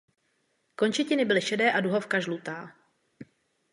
Končetiny byly šedé a duhovka žlutá.